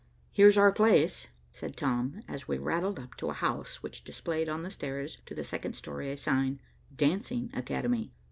"Here's our place," said Tom, as we rattled up to a house which displayed on the stairs to the second story a sign, "Dancing Academy."